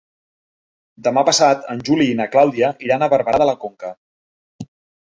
Demà passat en Juli i na Clàudia iran a Barberà de la Conca.